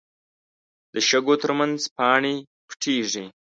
د شګو تر منځ پاڼې پټېږي